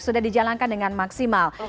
sudah dijalankan dengan maksimal